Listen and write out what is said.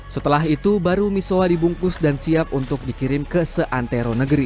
setelah itu baru misoa dibungkus dan siap untuk dikirim ke seantero negeri